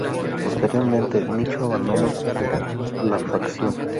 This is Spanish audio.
Posteriormente Nicho abandono la facción.